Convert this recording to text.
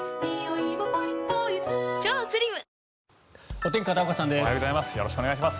おはようございます。